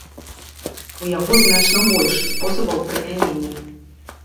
У яго значна больш спосабаў прымянення.